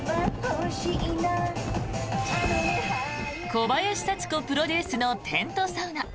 小林幸子プロデュースのテントサウナ。